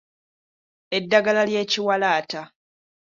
Eddagala ly’ekiwalaata.